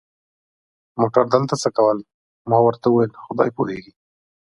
موټر دلته څه کول؟ ما ورته وویل: خدای پوهېږي.